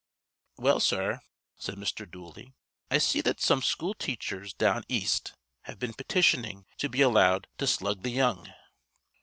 "Well, sir," said Mr. Dooley, "I see that some school teachers down East have been petitioning to be allowed to slug th' young."